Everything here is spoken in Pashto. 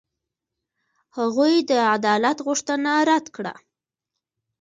هغوی د عدالت غوښتنه رد کړه.